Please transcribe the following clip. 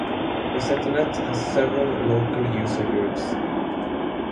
RosettaNet has several local user groups.